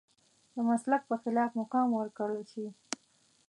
د مسلک په خلاف مقام ورکړل شي.